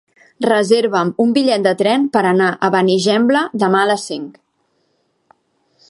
Reserva'm un bitllet de tren per anar a Benigembla demà a les cinc.